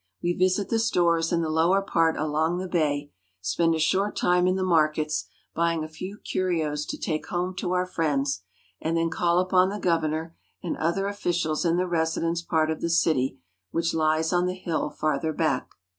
We visit the stores in the lower T part along the bay, spend a short time in the markets, buying a few curios to take home to our friends, and then call upon, the governor and other officials in the residence part of the city, which lies on the hill farther back.